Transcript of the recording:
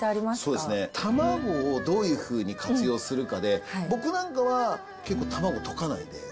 そうですね、卵をどういうふうに活用するかで、僕なんかは結構、卵を溶かないで。